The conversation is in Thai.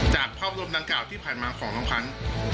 จากภาพรวมดังกล่าวที่ผ่านมาของน้องพันธุ์